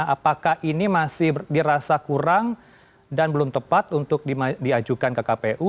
apakah ini masih dirasa kurang dan belum tepat untuk diajukan ke kpu